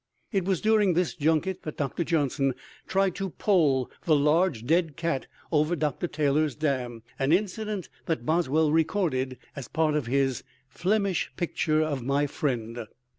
It was during this junket that Dr. Johnson tried to pole the large dead cat over Dr. Taylor's dam, an incident that Boswell recorded as part of his "Flemish picture of my friend."